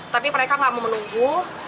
tapi mereka nggak mau menunggu